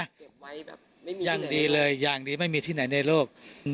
เก็บไว้แบบยังดีเลยยังดีไม่มีที่ไหนในรูป